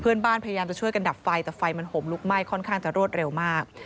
พยายามจะช่วยกันดับไฟแต่ไฟมันห่มลุกไหม้ค่อนข้างจะรวดเร็วมาก